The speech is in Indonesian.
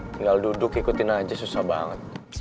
tinggal duduk ikutin aja susah banget